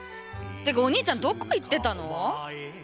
ってかお兄ちゃんどこ行ってたの？